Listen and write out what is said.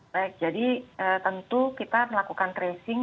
baik jadi tentu kita melakukan tracing